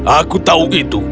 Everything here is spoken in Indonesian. aku tahu itu